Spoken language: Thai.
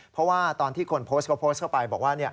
เพราะว่าตอนที่คนโพสต์เขาโพสต์เข้าไปบอกว่า